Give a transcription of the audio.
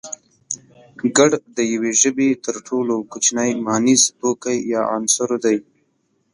گړ د يوې ژبې تر ټولو کوچنی مانيز توکی يا عنصر دی